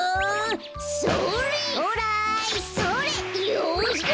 よし。